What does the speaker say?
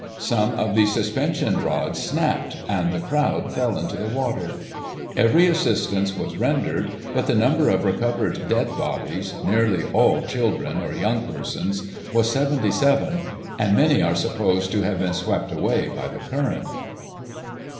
Some of the suspension rods snapped, and the crowd fell into the water. Every assistance was rendered, but the nimiber of recovered dead bodies, nearly all children, or young persons, was 77> and many are supposed to have been swept away by the current.